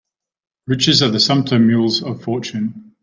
Riches are the sumpter mules of fortune